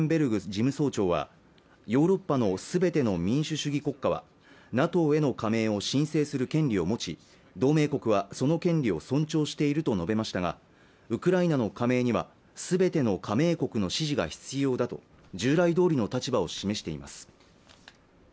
事務総長はヨーロッパのすべての民主主義国家はＮＡＴＯへの加盟を申請する権利を持ち同盟国はその権利を尊重していると述べましたがウクライナの加盟にはすべての加盟国の支持が必要だと従来通りの立場を示しています